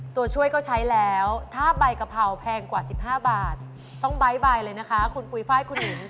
ตัวช่วยก็ใช้แล้วถ้าใบกะเพราแพงกว่า๑๕บาทต้องไบท์ใบเลยนะคะคุณปุ๋ยไฟล์คุณหญิง